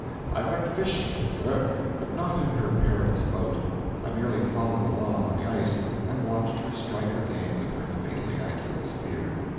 I went fishing with her, but not in her perilous boat: I merely followed along on the ice and watched her strike her game with her fatally accurate spear.